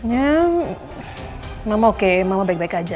ya mama oke mama baik baik aja